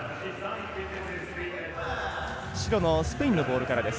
白のスペインのボールからです。